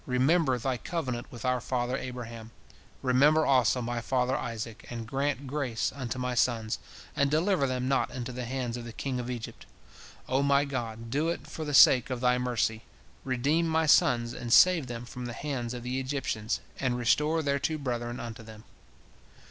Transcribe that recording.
Remember Thy covenant with our father Abraham. Remember also my father Isaac, and grant grace unto my sons, and deliver them not into the hands of the king of Egypt. O my God, do it for the sake of Thy mercy, redeem my sons and save them from the hands of the Egyptians, and restore their two brethren unto them."